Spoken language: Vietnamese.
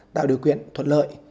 tạo điều quyền thuận lợi